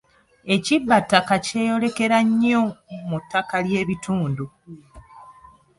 Ekibbattaka kyeyolekera nnyo mu ttaka ly'ebitundu.